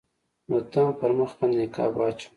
نو ته هم پر مخ باندې نقاب واچوه.